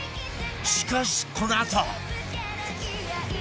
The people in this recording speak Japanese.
しかしこのあと